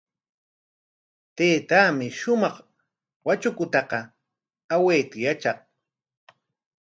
Taytaami shumaq watrakukunata awayta yatraq.